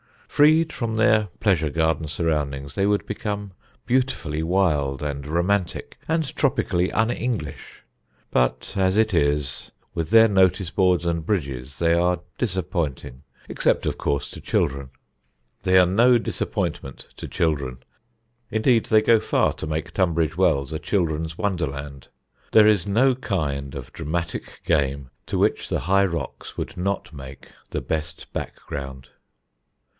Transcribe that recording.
Freed from their pleasure garden surroundings they would become beautifully wild and romantic and tropically un English; but as it is, with their notice boards and bridges, they are disappointing, except of course to children. They are no disappointment to children; indeed, they go far to make Tunbridge Wells a children's wonderland. There is no kind of dramatic game to which the High Rocks would not make the best background.